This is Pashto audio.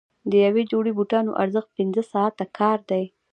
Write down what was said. د یوې جوړې بوټانو ارزښت پنځه ساعته کار دی.